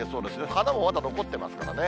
花もまだ残ってますからね。